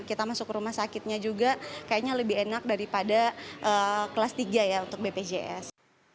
kita masuk ke rumah sakitnya juga kayaknya lebih enak daripada kelas tiga ya untuk bpjs